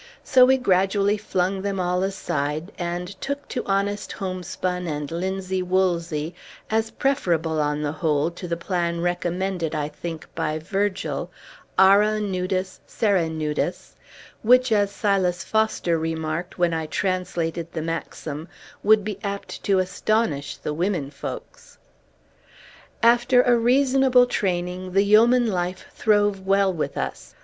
So we gradually flung them all aside, and took to honest homespun and linsey woolsey, as preferable, on the whole, to the plan recommended, I think, by Virgil, "Ara nudus; sere nudus, " which as Silas Foster remarked, when I translated the maxim, would be apt to astonish the women folks. After a reasonable training, the yeoman life throve well with us.